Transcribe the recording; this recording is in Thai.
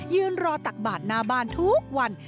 ยืนรอตักบาดหน้าบ้านทุกวัน